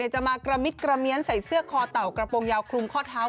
จะมากระมิดกระเมียนใส่เสื้อคอเต่ากระโปรงยาวคลุมข้อเท้า